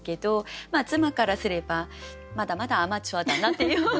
妻からすればまだまだアマチュアだなっていう。